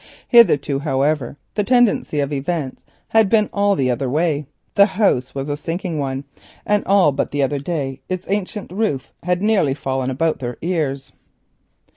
Hitherto, however, the tendency of events had been all the other way—the house was a sinking one, and but the other day its ancient roof had nearly fallen about their ears.